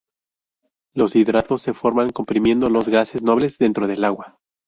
Los hidratos se forman comprimiendo los gases nobles dentro del agua.